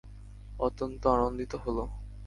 অত্যন্ত আনন্দিত হল।